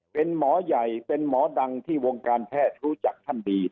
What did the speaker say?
เป็นหมอใหญ่เป็นหมอดังที่วงการแพทย์รู้จักท่านดี